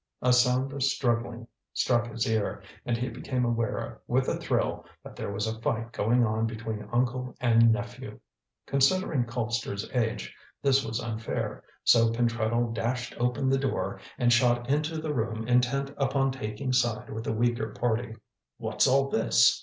A sound of struggling struck his ear, and he became aware with a thrill that there was a fight going on between uncle and nephew. Considering Colpster's age this was unfair, so Pentreddle dashed open the door and shot into the room intent upon taking side with the weaker party. "What's all this?"